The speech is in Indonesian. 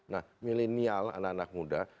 nah milenial anak anak muda